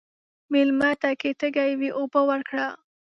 مېلمه ته که تږی وي، اوبه ورکړه.